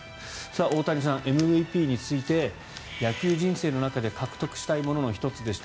大谷さん、ＭＶＰについて野球人生の中で獲得したいものの１つでした